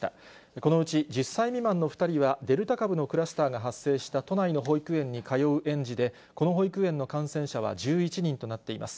このうち１０歳未満の２人は、デルタ株のクラスターが発生した都内の保育園に通う園児で、この保育園の感染者は１１人となっています。